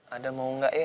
ada mau gak ya gitu ya